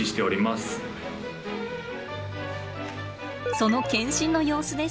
その検診の様子です。